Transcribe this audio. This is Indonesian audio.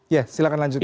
ya silahkan lanjutkan